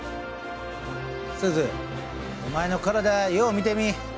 すずお前の体よう見てみ。